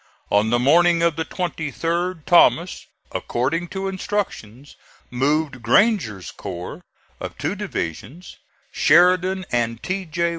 On the morning of the 23d Thomas, according to instructions, moved Granger's corps of two divisions, Sheridan and T. J.